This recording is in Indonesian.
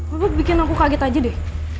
bubuk bikin aku kaget aja deh